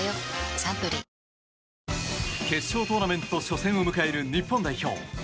サントリー決勝トーナメント初戦を迎える日本代表。